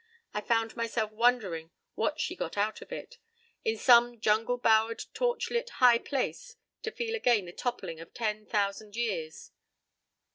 I found myself wondering what she got out of it—in some jungle bowered, torch lit "high place," to feel again the toppling of ten thousand years?